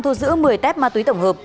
thu giữ một mươi tép ma túy tổng hợp